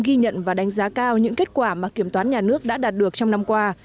ghi nhận và đánh giá cao những kết quả mà kiểm toán nhà nước đã đạt được trong năm qua